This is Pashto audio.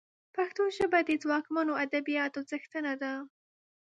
پښتو ژبه د ځواکمنو ادبياتو څښتنه ده